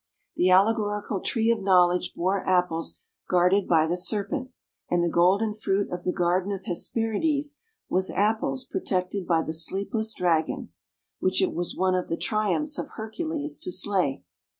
The allegorical tree of knowledge bore apples guarded by the serpent, and the golden fruit of the garden of Hesperides was apples protected by the sleepless dragon, which it was one of the triumphs of Hercules to slay.